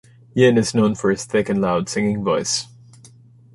Yin is known for his thick and loud singing voice.